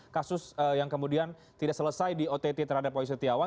kasus yang kemudian tidak selesai di ott terhadap way setiawan